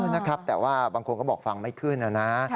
นะครับแต่ว่าบางคนก็บอกฟังไม่ขึ้นนะนะ